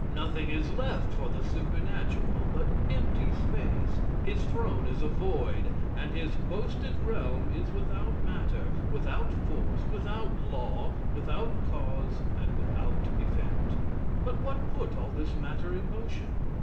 Nothing is left for the supernatural but empty space. His throne is a void, and his boasted realm is without matter, without force, without law, without cause, and without effect. But what put all this matter in motion?